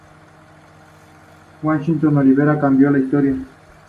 Washington Olivera cambio la historia.